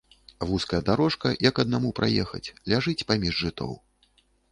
Вузкая дарожка, як аднаму праехаць, ляжыць паміж жытоў.